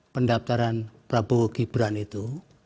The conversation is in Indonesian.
pendaftaran prabowo gibran itu